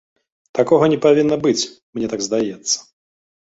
Такога не павінна быць, мне так здаецца.